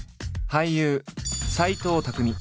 俳優・斎藤工